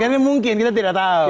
karena mungkin kita tidak tahu